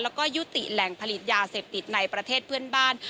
แล้วก็ยุติแหล่งผลิตยาเสพติดในประเทศเพื่อนบ้าน